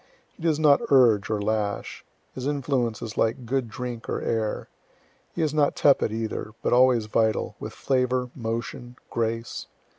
He does not urge or lash. His influence is like good drink or air. He is not tepid either, but always vital, with flavor, motion, grace.